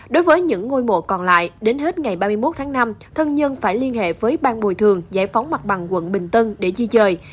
đối với những ngôi mộ còn lại đến hết ngày ba mươi một tháng năm thân nhân phải liên hệ với ban bồi thường giải phóng mặt bằng quận bình tân để di dời